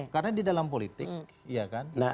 karena di dalam politik